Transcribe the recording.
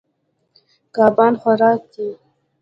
کبان خوراک دي.